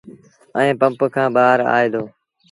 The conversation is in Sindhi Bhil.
ائيٚݩ پمپ کآݩ ٻآهر آئي دو۔